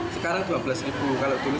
sekarang dua belas kalau dulu sepuluh